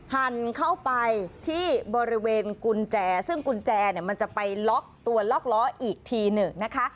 หันเข้าไปที่บริเวณกุญแจซึ่งกุญแจเนี่ยมันจะไปล็อกตัวล็อกล้ออีกทีหนึ่งนะคะ